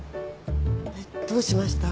どうしました？